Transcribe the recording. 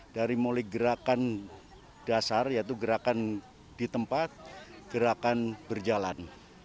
dari mulai gerakan dasar yaitu gerakan di tempat gerakan berjalan